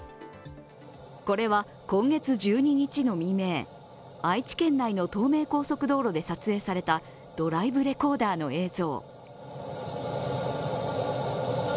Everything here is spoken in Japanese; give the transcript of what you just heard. これは今月１２日の未明愛知県内の東名高速道路で撮影されたドライブレコーダーの映像。